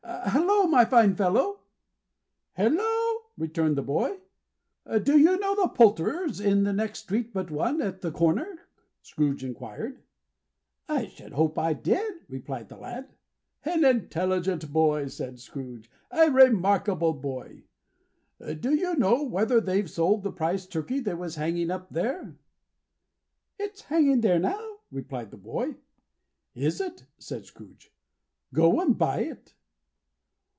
Hallo, my fine fellow!" "Hallo!" returned the boy. "Do you know the Poulterer's, in the next street but one, at the corner?" Scrooge inquired. "I should hope I did," replied the lad. "An intelligent boy!" said Scrooge. "A remarkable boy! Do you know whether they've sold the prize turkey that was hanging up there?" "It's hanging there now," replied the boy. "Is it?" said Scrooge. "Go and buy it."